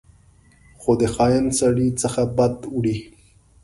خو د خاین سړي څخه بد وړي.